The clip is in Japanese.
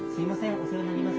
お世話になります。